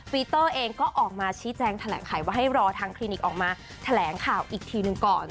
ปีเตอร์เองก็ออกมาชี้แจงแถลงไขว่าให้รอทางคลินิกออกมาแถลงข่าวอีกทีหนึ่งก่อน